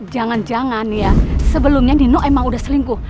jangan jangan ya sebelumnya dino emang udah selingkuh